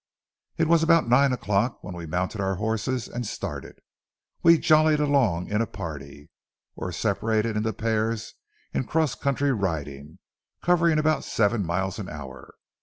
It was about nine o'clock when we mounted our horses and started. We jollied along in a party, or separated into pairs in cross country riding, covering about seven miles an hour.